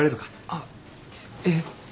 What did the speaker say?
あっえっと。